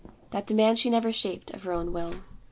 That demand she never shaped, of her own will.